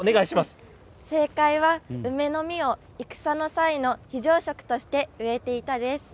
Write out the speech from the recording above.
正解は梅の実を戦の際の非常食として植えていたんです。